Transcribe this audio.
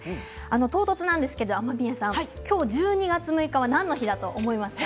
唐突なんですけれども雨宮さん今日１２月６日は何の日だと思いますか？